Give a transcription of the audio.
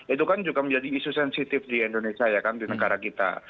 itu kan juga menjadi isu sensitif di indonesia ya kan di negara kita